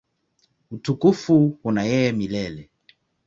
Utukufu una yeye milele.